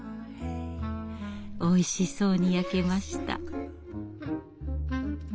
おいしそうに焼けました。